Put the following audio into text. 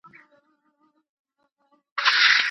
تعلیم لرونکې میندې د ماشومانو د ناروغۍ مخنیوي ته ژمن وي.